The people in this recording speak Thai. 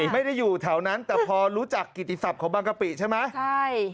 ไม่ได้อยู่แถวนั้นแต่พอรู้จักกิติศัพท์ของบางกะปิใช่ไหมใช่